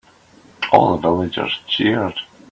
All the villagers cheered.